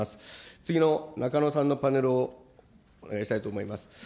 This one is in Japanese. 次のなかのさんのパネルをお願いしたいと思います。